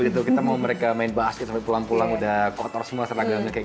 itu kita mau mereka main basket sampai pulang pulang udah kotor semua seragamnya kayak gitu